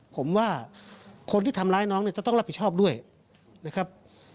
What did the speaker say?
ผมว่าคนที่ทำร้ายน้องเนี่ยจะต้องรับผิดชอบด้วยนะครับ